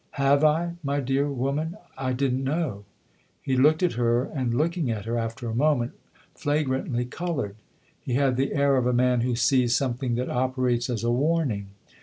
"Have I, my dear woman ? I didn't know " He looked at her and, looking at her, after a moment flagrantly coloured : he had the air of a man who sees some thing that operates as a warning.